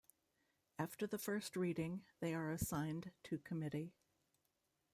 After the first reading, they are assigned to committee.